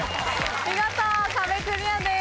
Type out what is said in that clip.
見事壁クリアです。